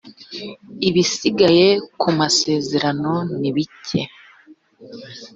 ibisigaye kumasezerano nibike.